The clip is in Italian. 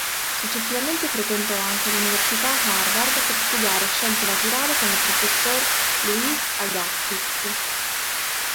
Successivamente frequentò anche l'Università Harvard per studiare scienze naturali con il professor Louis Agassiz.